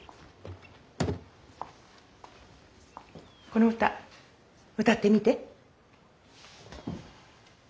この歌歌ってみて。